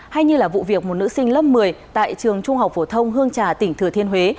hay như là vụ việc một nữ sinh lớp một mươi tại trường trung học phổ thông hương trà tỉnh thừa thiên huế